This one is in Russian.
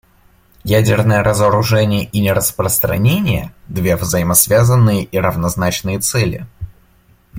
Ядерное разоружение и нераспространение — две взаимосвязанные и равнозначные цели.